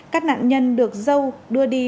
các nạn nhân được râu đưa đi